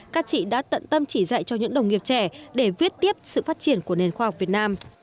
các chị đã tận tâm chỉ dạy cho những đồng nghiệp trẻ để viết tiếp sự phát triển của nền khoa học việt nam